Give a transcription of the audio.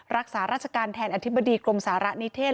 รักษาราชการแทนอธิบดีกรมสาระนิเทศ